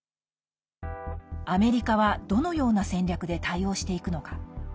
アメリカは、どのような戦略で対応していくのか。